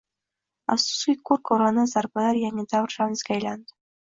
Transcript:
Afsuski, ko'r -ko'rona zarbalar yangi davr ramziga aylandi